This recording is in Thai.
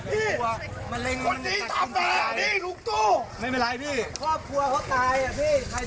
ผมเลือกไม่ได้มาเลือกผม